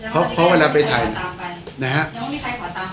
เพราะไว้ถ่ายได้หรือครับ